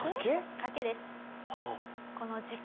賭けです。